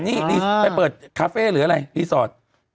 นี่รีสไปเปิดคาเฟ่หรืออะไรรีสอร์ท